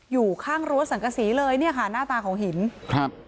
อยู่ข้างรั้วสังกษีเลยเนี่ยค่ะหน้าตาของหินครับ